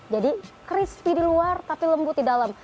jadi crispy di luar tapi lembut di dalam